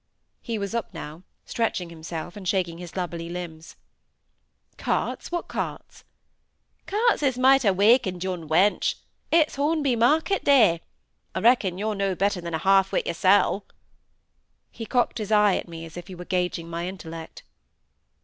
He was up now, stretching himself, and shaking his lubberly limbs. "Carts! what carts?" "Carts as might ha' wakened yon wench! It's Hornby market day. I reckon yo're no better nor a half wit yoursel'." He cocked his eye at me as if he were gauging my intellect.